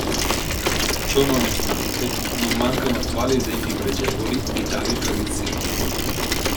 Ciò nonostante, non mancano attuali esempi pregevoli di tali tradizioni.